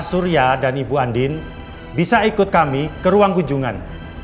surya dan ibu andin bisa ikut kami ke ruang kunjungan